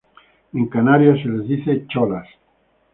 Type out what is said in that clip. En Canarias se les dice "cholas".